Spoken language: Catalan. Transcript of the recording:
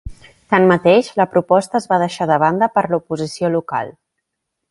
Tanmateix, la proposta es va deixar de banda per l'oposició local.